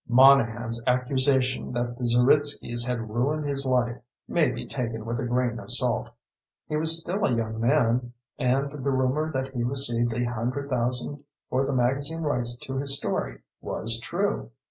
Monahan's accusation that the Zeritskys had "ruined his life" may be taken with a grain of salt. He was still a young man, and the rumor that he received a hundred thousand for the magazine rights to his story was true.